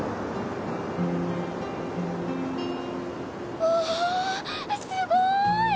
うわすごい！